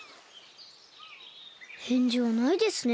へんじはないですね。